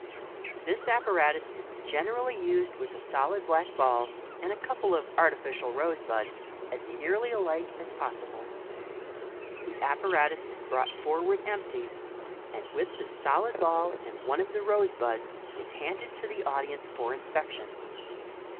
This apparatus is generally used with a solid black ball and a couple of artificial rose buds, as nearly alike as possible. The apparatus is brought forward tmpty, and with the solid ball and one of the rose buds, is handed to the audience for in spection.